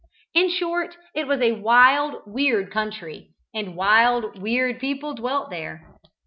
In short, it was a wild, weird country, and wild, weird people dwelt there.